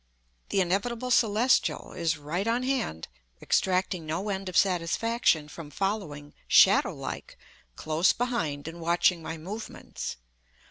The inevitable Celestial is right on hand, extracting no end of satisfaction from following, shadow like, close behind and watching my movements.